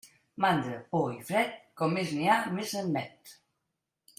Mandra, por i fred, com més n'hi ha més n'admet.